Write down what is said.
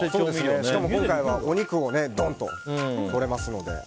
しかも今回はお肉をどんと取れますので。